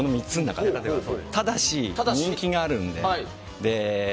ただし、人気があるので。